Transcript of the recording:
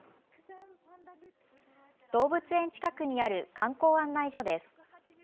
動物園近くにある観光案内所です。